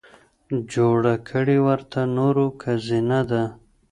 جوړه کړې ورته نورو که زينه ده